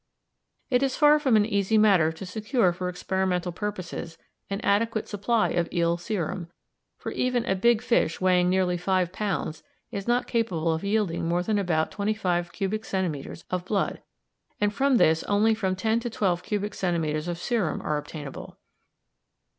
It is far from an easy matter to secure for experimental purposes an adequate supply of eel serum, for even a big fish weighing nearly five pounds is not capable of yielding more than about twenty five cubic centimetres of blood, and from this only from ten to twelve cubic centimetres of serum are obtainable.